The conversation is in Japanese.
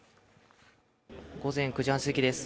午前９時半過ぎです